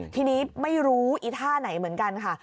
ทีนี้ไม่รู้อีท่าไหนเหมือนกันค่ะ